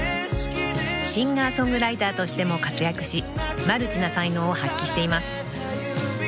［シンガー・ソングライターとしても活躍しマルチな才能を発揮しています］